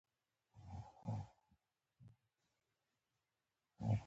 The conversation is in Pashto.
له ژبې سره مینه د ملت سره مینه ده.